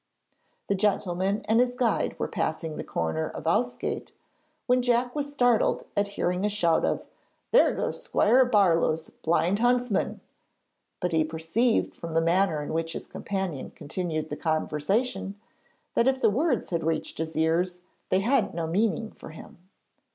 The gentleman and his guide were passing the corner of Ousegate, when Jack was startled at hearing a shout of 'There goes Squire Barlow's Blind Huntsman,' but he perceived from the manner in which his companion continued the conversation that if the words had reached his ears, they had no meaning for him.